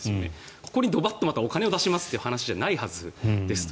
ここにまたお金を出しますという話じゃないですと。